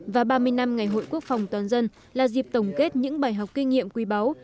và ba mươi năm ngày hội quốc phòng toàn dân là dịp tổng kết những bài học kinh nghiệm quý báu